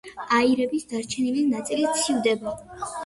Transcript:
აირების დარჩენილი ნაწილი ცივდება.